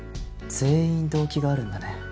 全員動機があるんだね。